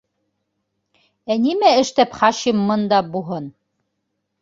У нимә эштәп Хашим мында буһын?